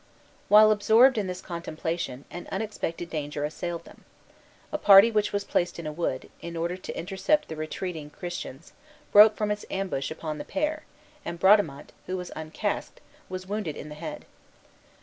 While absorbed in this contemplation, an unexpected danger assailed them. A party which was placed in a wood, in order to intercept the retreating Christians, broke from its ambush upon the pair, and Bradamante, who was uncasqued, was wounded in the head.